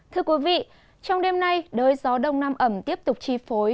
thưa quý vị trong đêm nay đới gió đông nam ẩm tiếp tục chi phối